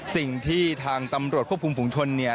สิ่งที่ทางตำรวจควบคุมฝุงชนเนี่ย